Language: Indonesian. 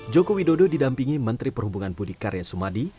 jokowi dodo didampingi menteri perhubungan budi karya sumadi